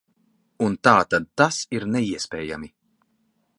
Un tātad tas ir neiespējami.